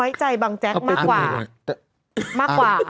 ไว้ใจบางแจ็กซ์มากกว่า